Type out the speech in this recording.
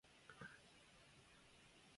栃木県小山市